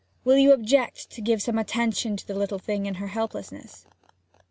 Will you object to give some attention to the little thing in her helplessness?'